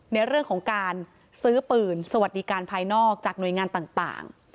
ในเรื่องของการซื้อปืนสวัสดิการภายนอกจากหน่วยงานต่าง